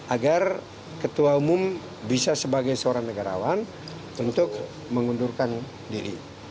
agar ketua umum bisa sebagai seorang negarawan untuk mengundurkan diri